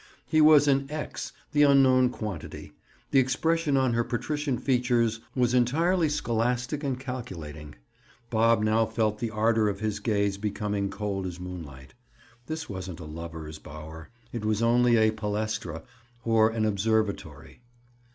He was an "X"—the unknown quantity. The expression on her patrician features was entirely scholastic and calculating. Bob now felt the ardor of his gaze becoming cold as moonlight. This wasn't a lovers' bower; it was only a palestra, or an observatory.